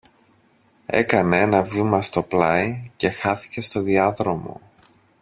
έκανε ένα βήμα στο πλάι και χάθηκε στο διάδρομο